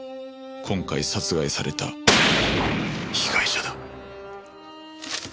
今回殺害された被害者だ。